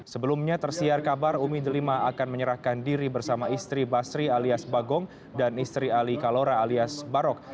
sebelumnya tersiar kabar umi delima akan menyerahkan diri bersama istri basri alias bagong dan istri ali kalora alias barok